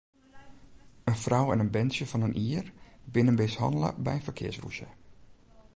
In frou en in berntsje fan in jier binne mishannele by in ferkearsrûzje.